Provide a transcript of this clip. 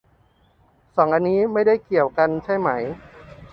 สองอันนี้ไม่ได้เกี่ยวกันใช่ไหม